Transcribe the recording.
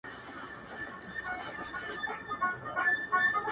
او د سترګو بهرنۍ جلوه مجاز دی